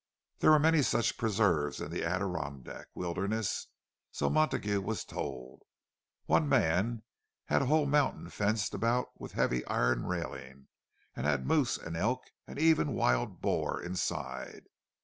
There were many such "preserves" in this Adirondack wilderness, so Montague was told; one man had a whole mountain fenced about with heavy iron railing, and had moose and elk and even wild boar inside.